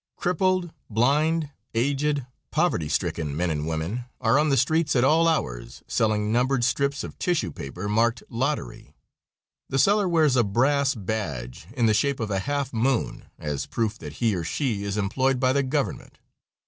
Crippled, blind, aged, poverty stricken men and women are on the streets at all hours selling numbered strips of tissue paper marked "Lottery." The seller wears a brass badge in the shape of a half moon as proof that he or she is employed by the government.